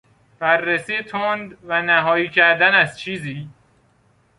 بررسی تند و نهایی کردن از چیزی